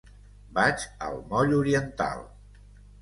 Vaig al moll Oriental.